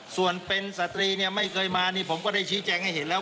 ส่วนเป็นสตรีเนี่ยไม่เคยมานี่ผมก็ได้ชี้แจงให้เห็นแล้ว